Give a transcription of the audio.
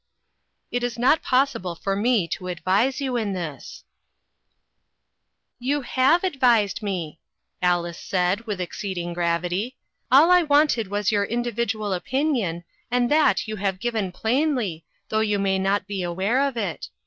It is not possible for me to advise you in this." NEW LINES OF WORK. 339 " You have advised me," Alice said, with exceeding gravity. " All I wanted was your individual opinion, and that you have given plainly, though you may not be aware of it.